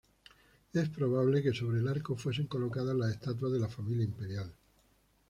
Es probable que sobre el arco fuesen colocadas las estatuas de la familia imperial.